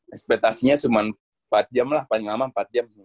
ekspetasinya cuma empat jam lah paling lama empat jam